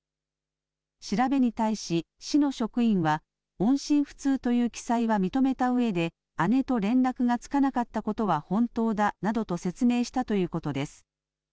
調べに対し、市の職員は音信不通という記載は認めたうえで姉と連絡がつかなかったことは本当だなどと説明したということです。